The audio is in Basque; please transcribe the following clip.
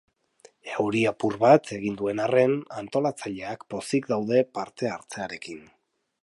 Euri apur bat egin duen arren, antolatzaileak pozik daude parte hartzearekin.